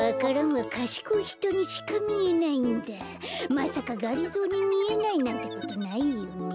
まさかがりぞーにみえないなんてことないよね？